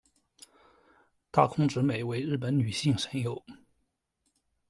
大空直美为日本女性声优。